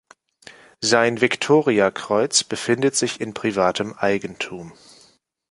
Sein Viktoriakreuz befindet sich in privatem Eigentum.